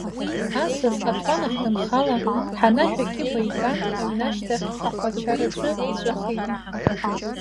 Асас аҭуанахь данхала, Ҳанашә акьыба иган, аҩны ашьҭахь ахәачараҿы иҵәахит.